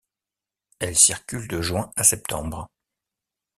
Elles circulent de juin à septembre.